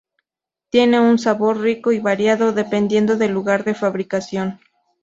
Tiene un sabor rico y variado, dependiendo del lugar de fabricación.